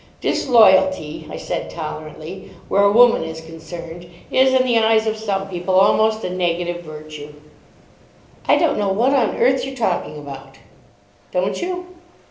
"Disloyalty," I said tolerantly, "where a woman is concerned, is in the eyes of some people almost a negative virtue." "I don't know what on earth you're talking about." "Don't you?"